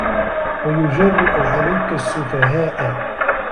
وَيُجَرِّئُ عَلَيْك السُّفَهَاءَ